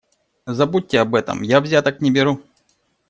Забудьте об этом - я взяток не беру.